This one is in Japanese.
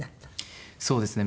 そうですね。